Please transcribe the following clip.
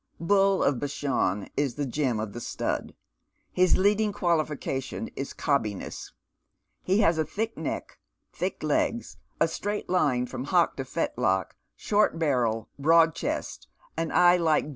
Bull of Bashan is the gem of the stud. His leading qualifca' tion is cobbiness. He has a thick neck, thick legs, a straight line from hock to fetlock, short barrel, broad chest, an eye like